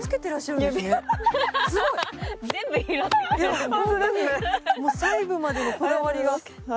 ほんとにもう細部までのこだわりが。